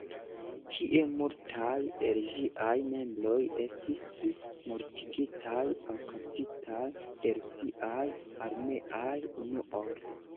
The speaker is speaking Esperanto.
Tie multaj el ĝiaj membroj estis mortigitaj aŭ kaptitaj de rusiaj armeaj unuoj.